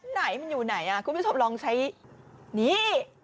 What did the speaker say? ไหนมันอยู่ไหนกูไม่ชอบลองใช้หนี